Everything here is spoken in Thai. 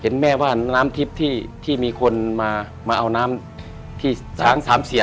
แม่ว่าน้ำทิพย์ที่มีคนมาเอาน้ำที่ช้างสามเสีย